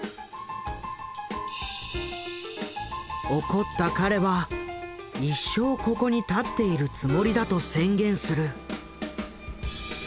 怒った彼は一生ここに立っているつもりだと宣言する。